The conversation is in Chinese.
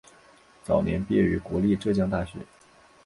早年毕业于国立浙江大学。